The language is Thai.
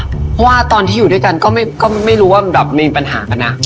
เพราะว่าตอนที่อยู่ด้วยกันก็ไม่รู้ว่าแบบมีปัญหากันนะ